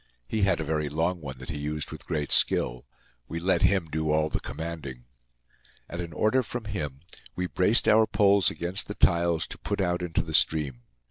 He had a very long one that he used with great skill. We let him do all the commanding. At an order from him, we braced our poles against the tiles to put out into the stream.